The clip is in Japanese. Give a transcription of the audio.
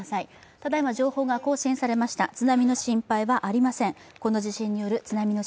ただいま情報が更新されました、この地震による津波の心配はありません。